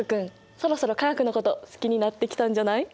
そろそろ化学のこと好きになってきたんじゃない？